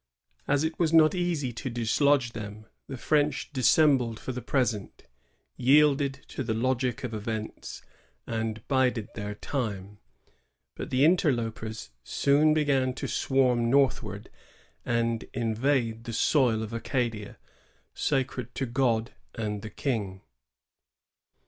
As it was not easy to dislodge them, the French dissembled for the present, yielded to the logic of events, and bided their time. But the interlopers soon began to swarm northward and invade the soil of Acadia, sacred to God and the King.